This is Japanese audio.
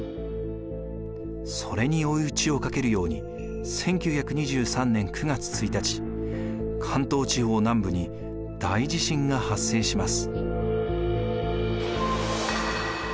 それに追い打ちをかけるように１９２３年９月１日関東地方南部に大地震が発生します。